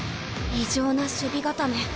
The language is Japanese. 異常な守備固め。